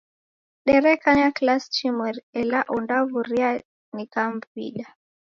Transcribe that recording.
Derekanya kilasi chimweri ela ondaw'uria nikamwida.